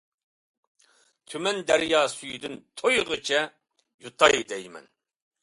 تۈمەن دەريا سۈيىدىن، تويغىچە يۇتاي دەيمەن.